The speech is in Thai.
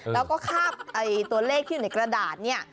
แล้วก็คาบตัวเลขที่อยู่ในกระดาษเนี่ย